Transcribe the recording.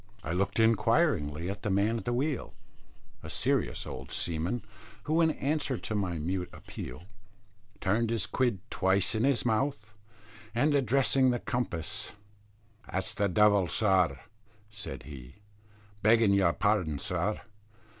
I looked inquiringly at the man at the wheel, a serious old seamen, who, in answer to my mute appeal, turned his quid twice in his mouth and, addressing the compass, "That's the devil, sir," said he, "begging your pardon, sir.